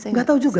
tidak tahu juga